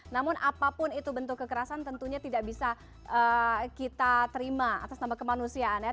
namun apapun itu bentuk kekerasan tentunya tidak bisa kita terima atas nama kemanusiaan ya